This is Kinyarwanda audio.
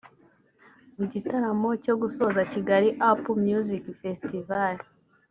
Mu gitaramo cyo gusoza Kigali Up Music Festival